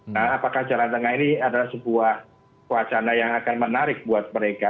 nah apakah jalan tengah ini adalah sebuah wacana yang akan menarik buat mereka